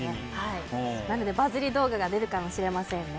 なのでバズり動画が出るかもしれませんね。